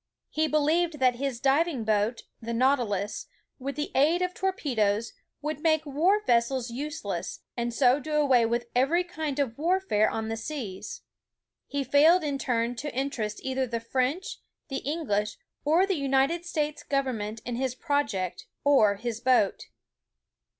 He believed that his diving boat, the Nautilus, with the aid of torpe does, would make war vessels useless, and so do away with every kind of warfare on the seas. He failed in turn to interest either the French, the English, or the United States government in his project, or his boat.